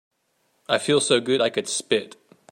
I feel so good I could spit.